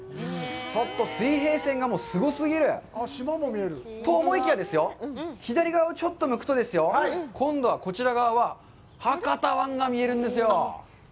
ちょっと水平線がすごすぎる！と思いきやですよ、左側をちょっと向くとですよ、今度はこちら側は、博多湾が見えるんですよ！